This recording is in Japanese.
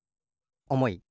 おもい。